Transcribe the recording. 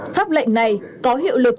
pháp lệnh này có hiệu lực